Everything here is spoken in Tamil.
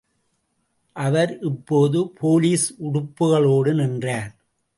அவர் இப்போது போலீஸ் உடுப்புகளோடு நின்றார்.